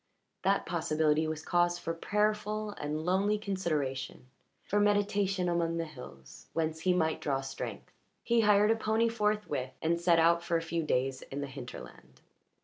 That possibility was cause for prayerful and lonely consideration, for meditation among the hills, whence he might draw strength. He hired a pony forthwith and set out for a few days in the hinterland.